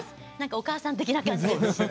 お母さん的な感じですね。